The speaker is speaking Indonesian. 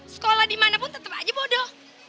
sekolah dimanapun tetap aja bodoh